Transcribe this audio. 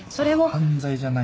犯罪じゃないの？